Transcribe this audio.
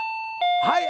はい！